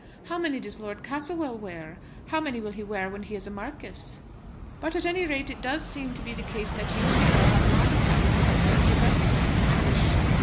How many does Lord Castlewell wear? How many will he wear when he is a marquis? But at any rate it does seem to be the case that you and the earl are not as happy together as your best friends could wish.